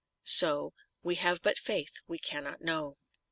So We have but faith, we cannot know.'